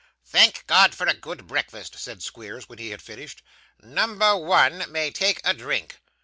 'Thank God for a good breakfast,' said Squeers, when he had finished. 'Number one may take a drink.